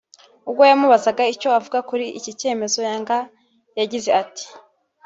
ubwo yamubazaga icyo avuga kuri iki cyemezo Yanga yagize ati